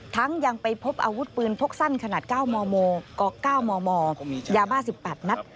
ยังไปพบอาวุธปืนพกสั้นขนาด๙มมก๙มมยาบ้า๑๘นัด